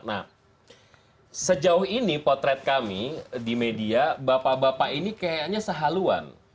nah sejauh ini potret kami di media bapak bapak ini kayaknya sehaluan